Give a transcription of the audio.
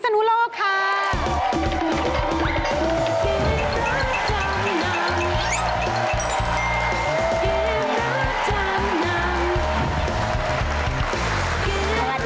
สวัสดีค่ะ